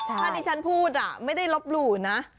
ถ้าที่ฉันพูดไม่ได้ลบหลู่นะ